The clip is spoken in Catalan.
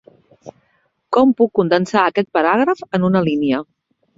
Com puc condensar aquest paràgraf en una línia?